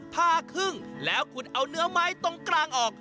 ผ้าครึ่งแล้วคุณเอาเนื้อไม้ตรงกลางออก